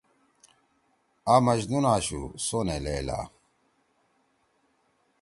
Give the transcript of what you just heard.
آ مجنون آشُو سونے لیلٰی